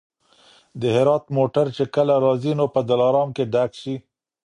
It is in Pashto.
د هرات موټر چي کله راځي نو په دلارام کي ډک سي.